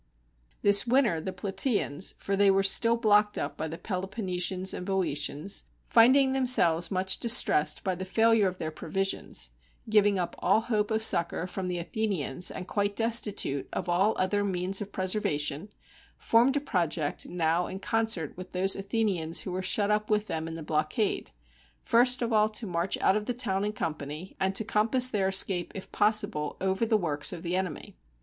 ... This winter the Plataeans, — for they were still blocked up by thePeloponnesians and Boeotians, — find ing themselves much distressed by the failure of their provisions, giving up all hope of succor from the Athe nians, and quite destitute of all other means of preserva tion, formed a project now in concert with those Athe nians who were shut up with them in the blockade, " first of all to march out of the town in company, and to compass their escape, if possible, over the works of the enemy."